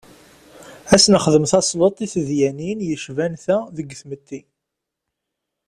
Ad as-nexdem tasleḍt i tedyanin yecban ta deg tmetti?